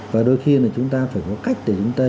và đôi khi là chúng ta phải có cách để chúng ta